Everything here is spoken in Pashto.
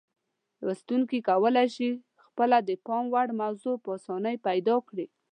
لوستونکي کولای شي خپله د پام وړ موضوع په اسانۍ پیدا کړي.